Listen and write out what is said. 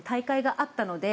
大会があったので。